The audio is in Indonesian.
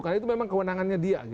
karena itu memang kewenangannya dia